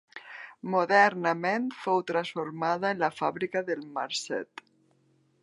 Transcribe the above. Modernament fou transformada en la Fàbrica del Marcet.